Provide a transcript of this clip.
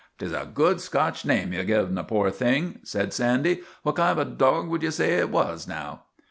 " 'T is a good Scotch name ye 've given the poor thing/' said Sandy. " What kind of a dog would ye say it was, now